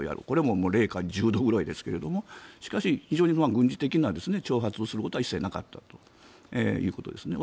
これも零下１０度ぐらいですがしかし、非常に軍事的な挑発をすることは一切なかったということです。